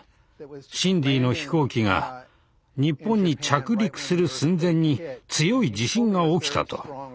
シンディの飛行機が日本に着陸する寸前に強い地震が起きたと。